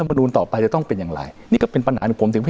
รัฐมนูนต่อไปต้องเป็นอย่างไรนี่ก็เป็นปัญหาในปวงสิ่งไหม